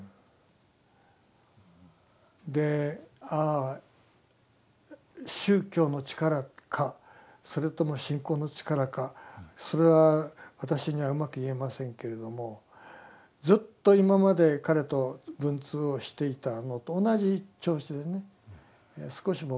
で宗教の力かそれとも信仰の力かそれは私にはうまく言えませんけれどもずっと今まで彼と文通をしていたのと同じ調子でね少しも変わらない。